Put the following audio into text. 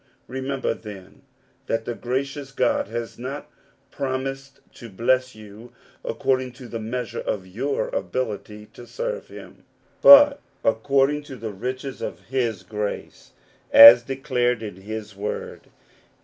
Remember, then, that the Gracious God has not promised to bless you according to the measure of your ability to serve him, but according to the riches of his grace as The Rule Without Exception, 85 declared in his word.